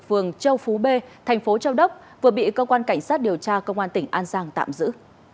phường châu phú b thành phố châu đốc vừa bị cơ quan cảnh sát điều tra công an tỉnh an giang tạm giữ